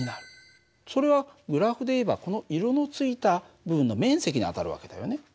それはグラフでいえばこの色のついた部分の面積に当たる訳だよね。